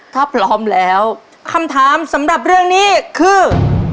ถ้าพร้อมแล้วคำถามสำหรับเรื่องนี้คือ